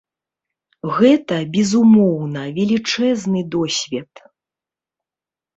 Гэта, безумоўна, велічэзны досвед.